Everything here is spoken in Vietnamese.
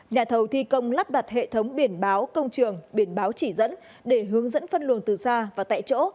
nhà thầu thi công lắp đặt hệ thống biển báo công trường biển báo chỉ dẫn để hướng dẫn phân luồng từ xa và tại chỗ